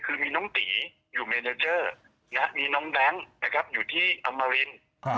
คือมีน้องตีอยู่เมเนเจอร์มีน้องแบงค์นะครับอยู่ที่อมริน